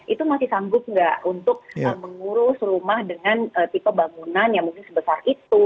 itu masih sanggup nggak untuk mengurus rumah dengan tipe bangunan yang mungkin sebesar itu